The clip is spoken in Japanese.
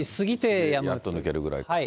やっと抜けるぐらいか。